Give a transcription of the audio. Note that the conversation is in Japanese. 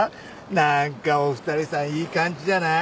なんかお二人さんいい感じじゃない？